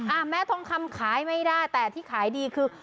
แม้ทองคำขายไม่ได้แต่ที่ขายดีคือ